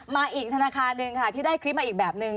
มาอีกธนาคารหนึ่งค่ะที่ได้คลิปมาอีกแบบนึง